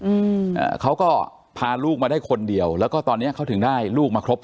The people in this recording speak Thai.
อืมอ่าเขาก็พาลูกมาได้คนเดียวแล้วก็ตอนเนี้ยเขาถึงได้ลูกมาครบ